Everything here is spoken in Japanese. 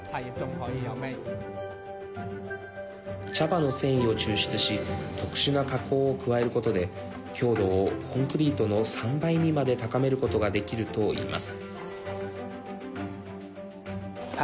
茶葉の繊維を抽出し特殊な加工を加えることで強度をコンクリートの３倍にまで高めることができるといいます。